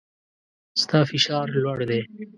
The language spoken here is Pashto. ستا فشار لوړ دی